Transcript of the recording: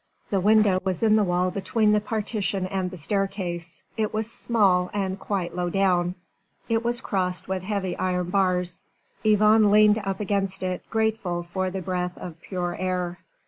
The window was in the wall between the partition and the staircase, it was small and quite low down. It was crossed with heavy iron bars. Yvonne leaned up against it, grateful for the breath of pure air.